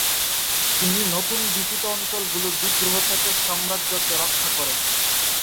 তিনি নতুন বিজিত অঞ্চলগুলোর বিদ্রোহ থেকে সাম্রাজ্যকে রক্ষা করেন।